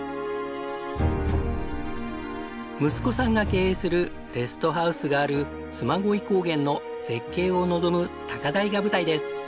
息子さんが経営するレストハウスがある嬬恋高原の絶景を望む高台が舞台です。